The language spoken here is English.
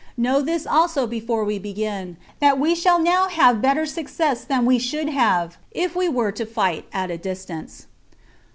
Know this also before we begin, that we shall now have better success than we should have, if we were to fight at a distance."